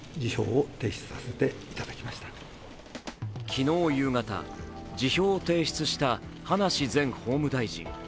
昨日夕方、辞表を提出した葉梨前法務大臣。